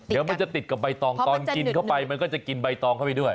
เดี๋ยวมันจะติดกับใบตองตอนกินเข้าไปมันก็จะกินใบตองเข้าไปด้วย